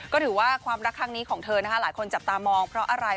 ก็ถือว่าความรักครั้งนี้ของเธอนะคะหลายคนจับตามองเพราะอะไร